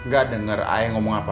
gak denger ayah ngomong apa